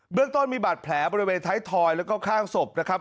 เรื่องต้นมีบาดแผลบริเวณท้ายทอยแล้วก็ข้างศพนะครับ